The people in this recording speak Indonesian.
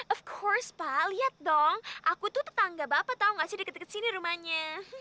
of course pak lihat dong aku tuh tetangga bapak tau gak sih deket deket sini rumahnya